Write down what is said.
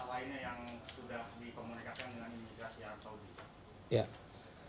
atau ada masalah lainnya yang sudah dikomunikasikan dengan pemerintah arab saudi